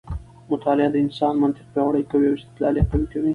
مطالعه د انسان منطق پیاوړی کوي او استدلال یې قوي کوي.